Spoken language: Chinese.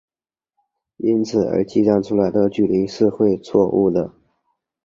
因此而计算出来的距离会是错武的。